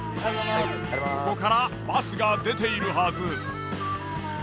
ここからバスが出ているはず。